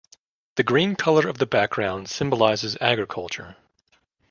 The green color of the background symbolizes agriculture.